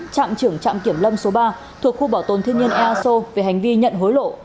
trạm trưởng trạm kiểm lâm số ba thuộc khu bảo tồn thiên nhiên eso về hành vi nhận hối lộ